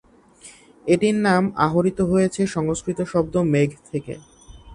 এটির নাম আহরিত হয়েছে সংস্কৃত শব্দ মেঘ থেকে।